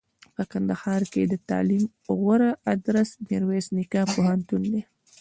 په کندهار کښي دتعلم غوره ادرس میرویس نیکه پوهنتون